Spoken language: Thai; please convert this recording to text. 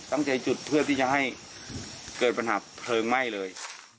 จุดเพื่อที่จะให้เกิดปัญหาเพลิงไหม้เลย